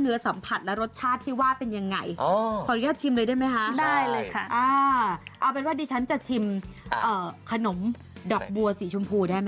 เอาเป็นว่าดิฉันจะชิมขนมดอกบัวสีชมพูได้ไหมคะ